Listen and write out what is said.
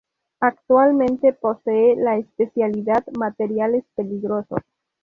Actualmente posee la especialidad Materiales Peligrosos.